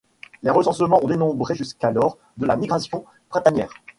Les recensements ont dénombré jusqu'à lors de la migration printanière.